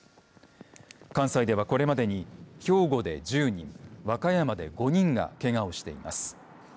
関西では、これまでに兵庫で１０人和歌山で５人がけがをしています。